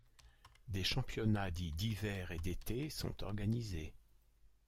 Des championnats dits d'hiver et d'été sont organisés.